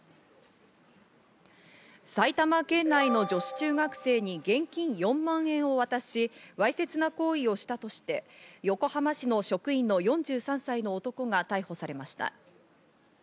埼玉県内の女子中学生に現金４万円渡し、わいせつな行為をしたとして横浜市の職員の４３歳の男が逮捕されました。